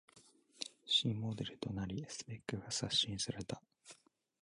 新モデルとなりスペックが刷新された